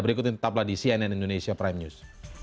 berikutnya tetaplah di cnn indonesia prime news